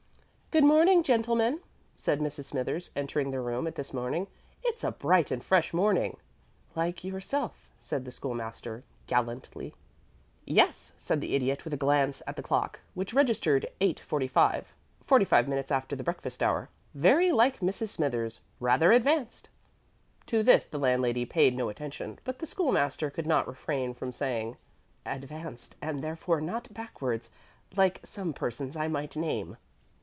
"Good morning, gentlemen," said Mrs. Smithers, entering the room at this moment. "It's a bright, fresh morning." "Like yourself," said the School master, gallantly. "Yes," added the Idiot, with a glance at the clock, which registered 8.45 forty five minutes after the breakfast hour "very like Mrs. Smithers rather advanced." To this the landlady paid no attention; but the School master could not refrain from saying, "Advanced, and therefore not backward, like some persons I might name."